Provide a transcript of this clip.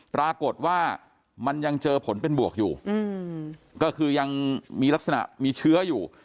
ปรากฏว่ามันยังเจอผลเป็นบวกอยู่ก็คือยังมีลักษณะมีเชื้ออยู่